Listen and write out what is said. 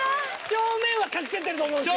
正面は隠せてると思うんですよ。